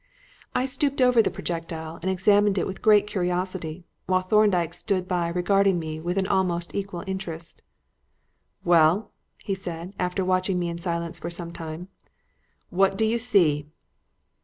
I stooped over the projectile and examined it with great curiosity, while Thorndyke stood by regarding me with almost equal interest. "Well," he said, after watching me in silence for some time, "what do you see?"